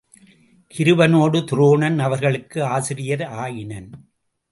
கிருபனோடு துரோணன் அவர்களுக்கு ஆசிரியர் ஆயினன்.